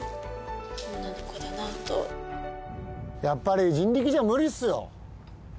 やっぱり人力じゃ無理っすよ。